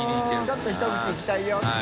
ちょっとひと口いきたいよって。